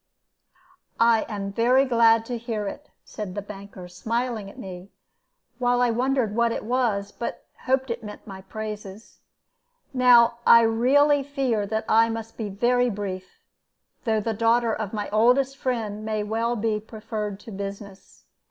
"I am very glad to hear it," said the banker, smiling at me, while I wondered what it was, but hoped that it meant my praises. "Now I really fear that I must be very brief, though the daughter of my oldest friend may well be preferred to business.